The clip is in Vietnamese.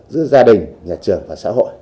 giữa gia đình nhà trường và xã hội